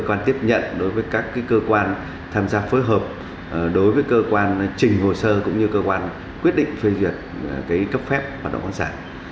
cơ quan tiếp nhận đối với các cơ quan tham gia phối hợp đối với cơ quan trình hồ sơ cũng như cơ quan quyết định phê duyệt cấp phép hoạt động quán sản